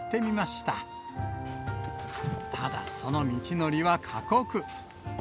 ただ、その道のりは過酷。